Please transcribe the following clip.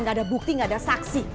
gak ada bukti gak ada saksi